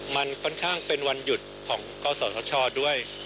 มันค่อนข้างเป็นวันหยุดของกศธชด้วย